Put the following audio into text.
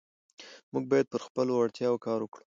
موږ باید پر خپلو وړتیاوو کار وکړو